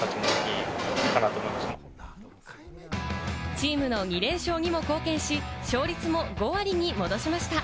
チームの２連勝にも貢献し、勝率も５割に戻しました。